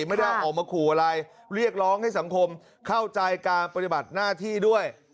ไม่ได้ออกมาขู่อะไรเรียกร้องให้สังคมเข้าใจการปฏิบัติหน้าที่ด้วย